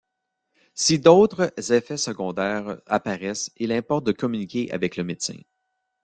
Si d'autres effets secondaires apparaissent, il importe de communiquer avec le médecin.